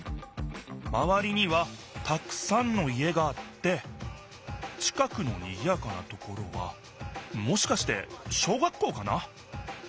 まわりにはたくさんの家があって近くのにぎやかなところはもしかして小学校かな？